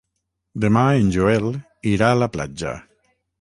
Demà en Joel irà a la platja.